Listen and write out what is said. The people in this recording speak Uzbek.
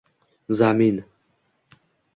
Zamin